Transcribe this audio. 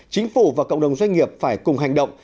chính phủ và cộng đồng doanh nghiệp phải cùng hành động